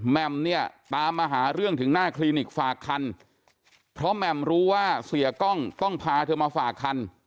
มเนี่ยตามมาหาเรื่องถึงหน้าคลินิกฝากคันเพราะแหม่มรู้ว่าเสียกล้องต้องพาเธอมาฝากคัน